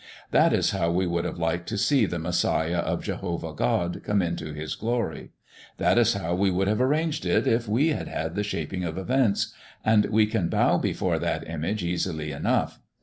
That is how we would have liked to see the Messiah of Jehovah God come into His glory. That is how we would have arranged it if we had had the shaping of events, and we can bow before that image easily enough.